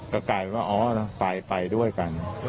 ก็กลายเป็นว่าอ๋อนะไปด้วยกัน